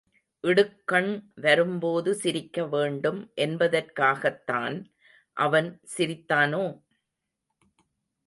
இடுக்கண் வரும்போது சிரிக்க வேண்டும் என்பதற்காகத்தான் அவன் சிரித்தானோ?....